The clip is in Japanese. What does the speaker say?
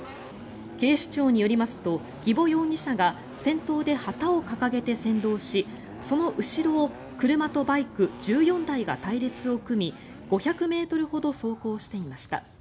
警視庁によりますと儀保容疑者が先頭で旗を掲げて先導しその後ろを車とバイク１４台が隊列を組み５００ｍほど走行していました。